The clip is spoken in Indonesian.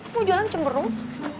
mau jalan cemberung